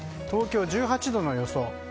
東京、１８度の予想。